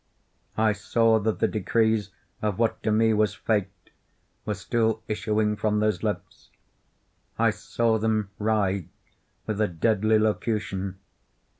I saw that the decrees of what to me was Fate, were still issuing from those lips. I saw them writhe with a deadly locution.